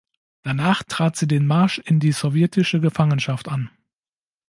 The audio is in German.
Danach trat sie den Marsch in die sowjetische Gefangenschaft an.